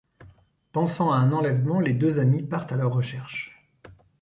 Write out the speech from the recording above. Pensant à un enlèvement, les deux amis partent à leur recherche.